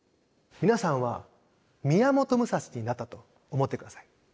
皆さんは宮本武蔵になったと思って下さい。